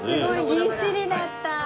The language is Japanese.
ぎっしりだった。